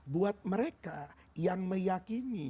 buat mereka yang meyakini